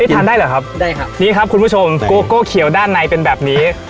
ทานได้เหรอครับได้ครับนี่ครับคุณผู้ชมโกโก้เขียวด้านในเป็นแบบนี้